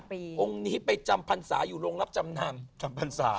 พระองค์นี้ไปจำพรรษาอยู่โรงรับจำนำ